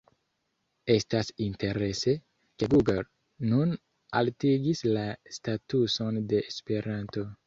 Estas interese, ke Google nun altigis la statuson de Esperanto.